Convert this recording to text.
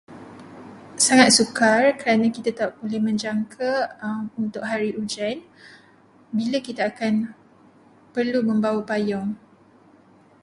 Sangat sukar, kerana kita tidak boleh menjangka untuk hari hujan, bila kita akan perlu membawa payung.